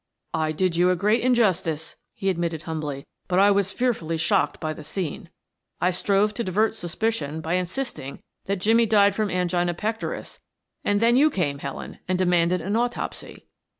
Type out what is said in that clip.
"I did you great injustice," he admitted humbly. "But I was fearfully shocked by the scene. I strove to divert suspicion by insisting that Jimmie died from angina pectoris, and then you came, Helen, and demanded an autopsy."